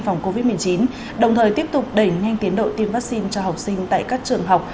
phòng covid một mươi chín đồng thời tiếp tục đẩy nhanh tiến độ tiêm vaccine cho học sinh tại các trường học